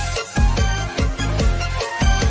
ของตัวหน้า